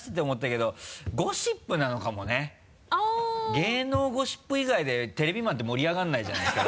芸能ゴシップ以外でテレビマンって盛り上がらないじゃないですか。